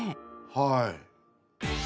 はい。